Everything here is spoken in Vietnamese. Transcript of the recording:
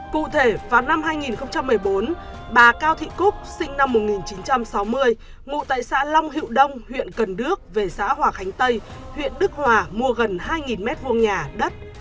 cụ thể vào năm hai nghìn một mươi bốn bà cao thị cúc sinh năm một nghìn chín trăm sáu mươi ngụ tại xã long hữu đông huyện cần đước về xã hòa khánh tây huyện đức hòa mua gần hai m hai nhà đất